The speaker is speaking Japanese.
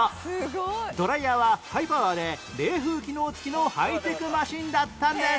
ドライヤーはハイパワーで冷風機能つきのハイテクマシンだったんです